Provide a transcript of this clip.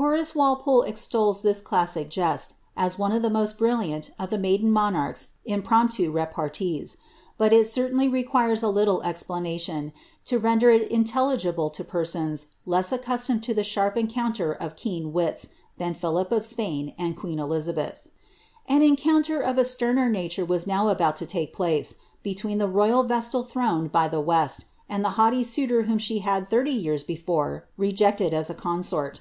Horace Walpole extols this classic Jest, as one of the most brilliant of the maiden monarch's impromptu repartees; but it certainly requires a liiile" explanation, to render it intelligible lo persons less accustomed to the sharp encounter of keen wits than Plidip of Spain and queen Elizabedi ^n encounter of a steiner nature was now about u> take place, be ■ LISABBTH. 75 tween the ^ royal resttl throned by the West," and the'haughty niitor whom she had thirty years before rejected as a consort.